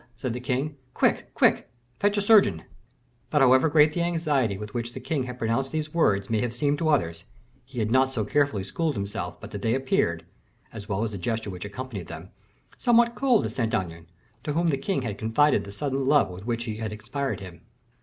said the king. "Quick, quick, fetch a surgeon." But however great the anxiety with which the king had pronounced these words may have seemed to others, he had not so carefully schooled himself but that they appeared, as well as the gesture which accompanied them, somewhat cold to Saint Aignan, to whom the king had confided the sudden love with which she had inspired him.